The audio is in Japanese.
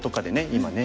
今ね